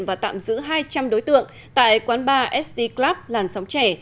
và tạm giữ hai trăm linh đối tượng tại quán bar sd club làn sóng trẻ